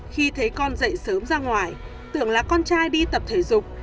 khi thấy con dậy sớm ra ngoài tưởng là con trai đi tập thể dục